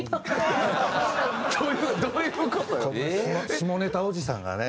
下ネタおじさんがね